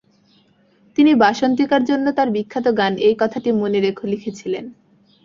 তিনি বাসন্তিকার জন্য তার বিখ্যাত গান "এই কথাটি মনে রেখ" লিখেছিলেন।